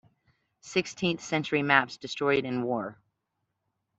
Sixteenth Century Maps Destroyed in War.